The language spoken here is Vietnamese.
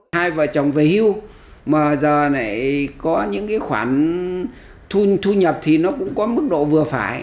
hai vợ chồng về hưu mà giờ này có những cái khoản thu nhập thì nó cũng có mức độ vừa phải